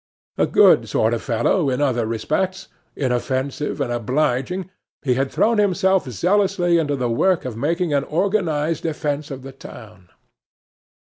A good sort of fellow in other respects, inoffensive and obliging, he had thrown himself zealously into the work of making an organized defence of the town.